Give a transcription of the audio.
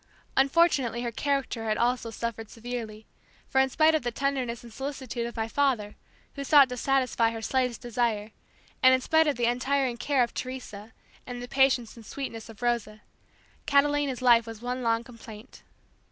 Unfortunately her character had also suffered severely, for in spite of the tenderness and solicitude of my father who sought to satisfy her slightest desire, and in spite of the untiring care of Teresa and the patience and sweetness of Rosa, Catalina's life was one long complaint.